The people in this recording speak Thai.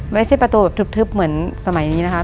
ไม่ใช่ประตูแบบทึบเหมือนสมัยนี้นะคะ